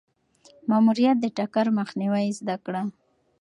ماموریت د ټکر مخنیوی زده کړل.